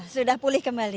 sudah pulih kembali